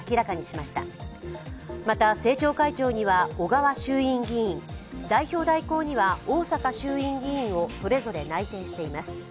また政調会長には小川衆院議員代表代行には逢坂衆院議員をそれぞれ内定しています。